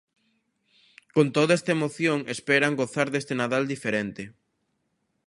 Con toda esta emoción, esperan gozar deste Nadal diferente.